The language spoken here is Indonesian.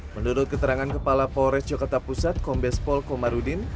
menurut keterangan kepala polres jakarta pusat kombes pol komarudin